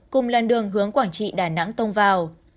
cùng làn đường hướng quảng trị đà nẵng tông vào